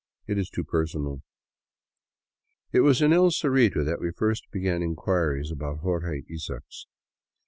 It is too personal." It was in El Cerrito that we first began inquiries about Jorge Isaacs.